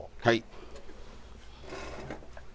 はい。